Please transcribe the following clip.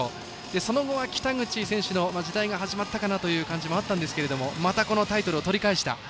その後は北口選手の時代が始まったかなという印象があったんですけどもまたこのタイトルをとり返した。